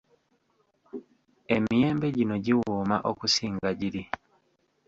Emiyembe gino giwooma okusinga giri.